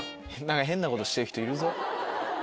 何か変なことしてる人いるぞ。